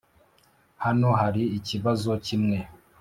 hano hari ikibazo kimwe.